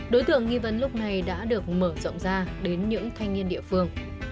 đối tượng nghi vấn lúc này đã được mở rộng ra đến những thanh niên địa phương